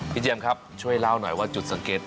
เจียมครับช่วยเล่าหน่อยว่าจุดสังเกต